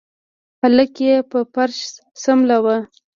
هلک يې په فرش سملوه.